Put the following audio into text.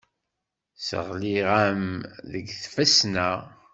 Sseɣliɣ-am deg tfesna.